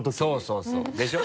そうそうでしょ。